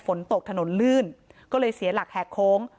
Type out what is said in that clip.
ฝนตกถนนลื่นก็เลยเสียหลักแหกโค้ง